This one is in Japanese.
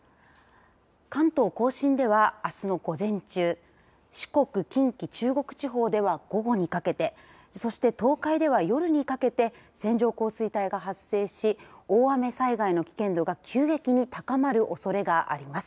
関東甲信では、あすの午前中四国、近畿、中国地方では午後にかけてそして、東海では夜にかけて線状降水帯が発生し大雨災害の危険度が急激に高まるおそれがあります。